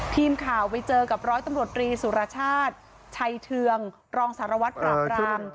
ทีมข่าวไปเจอกับร้อยตำรวจรีสุรชาติชัยเทืองรองสารวัตรปราบราม